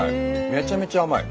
めちゃめちゃ甘い。